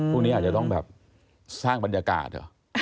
พรุ่งนี้อาจจะต้องสร้างบรรยากาศ